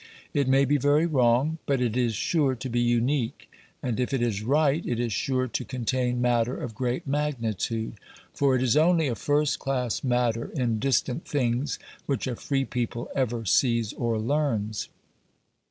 It may be very wrong, but it is sure to be unique; and if it is right it is sure to contain matter of great magnitude, for it is only a first class matter in distant things which a free people ever sees or learns.